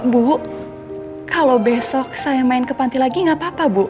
bu kalau besok saya main ke panti lagi nggak apa apa bu